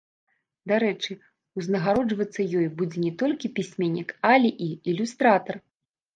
Дарэчы, узнагароджвацца ёй будзе не толькі пісьменнік, але і ілюстратар.